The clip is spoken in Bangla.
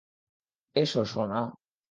এসো, সোনা।